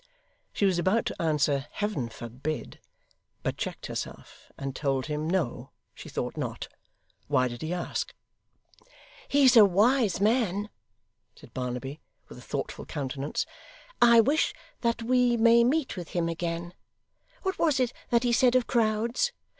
She was about to answer 'Heaven forbid!' but checked herself, and told him No, she thought not; why did he ask? 'He's a wise man,' said Barnaby, with a thoughtful countenance. 'I wish that we may meet with him again. What was it that he said of crowds?